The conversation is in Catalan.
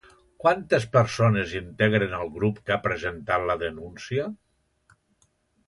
Quantes persones integren el grup que ha presentat la denúncia?